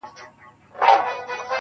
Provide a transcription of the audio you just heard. ځكه دنيا مي ته يې.